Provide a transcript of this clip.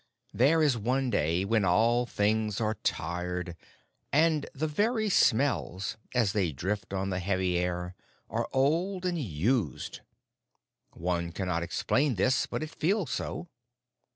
There is one day when all things are tired, and the very smells, as they drift on the heavy air, are old and used. One cannot explain this, but it feels so.